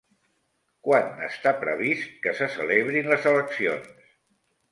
Quan està previst que se celebrin les eleccions?